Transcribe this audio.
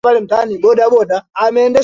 mhusika wa redio anafanya mambo mengi sana